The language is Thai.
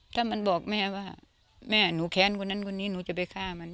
ถ้ามันบอกแม่ว่าแม่หนูแค้นคนนั้นคนนี้หนูจะไปฆ่ามัน